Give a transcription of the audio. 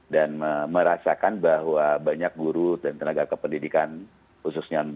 dan merasakan bahwa banyak guru dan tenaga kependidikan khususnya non pns ini terdampak secara ekonomi